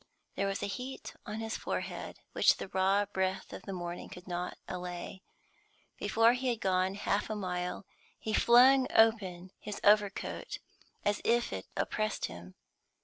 There was a heat on his forehead which the raw breath of the morning could not allay. Before he had gone half a mile, he flung open his overcoat, as if it oppressed him.